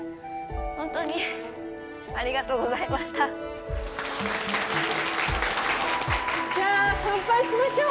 本当にありがとうございましたじゃあ乾杯しましょう